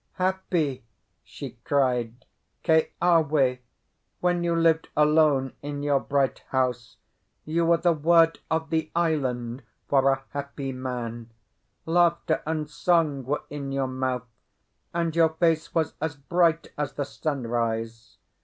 "Happy!" she cried. "Keawe, when you lived alone in your Bright House, you were the word of the island for a happy man; laughter and song were in your mouth, and your face was as bright as the sunrise.